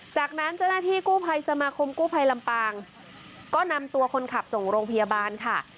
จากนั้นเจ้าหน้าที่กู้ภัยสมาคมกู้ภัยลำปางก็นำตัวคนขับส่งโรงพยาบาลค่ะ